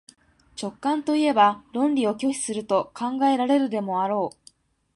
直観といえば論理を拒否すると考えられるでもあろう。